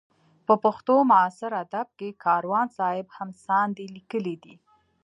په پښتو معاصر ادب کې کاروان صاحب هم ساندې لیکلې دي.